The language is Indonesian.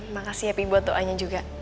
makasih ya pi buat doanya juga